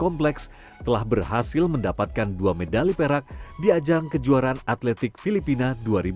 pembangunan atlet yang berhasil mendapatkan dua medali perak di ajang kejuaran atletik filipina dua ribu dua puluh tiga